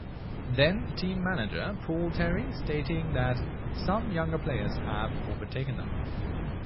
Then team manager, Paul Terry, stating that "some younger players have overtaken them".